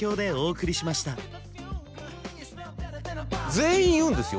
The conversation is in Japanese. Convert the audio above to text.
全員言うんですよ